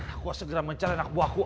aku segera mencari anak buahku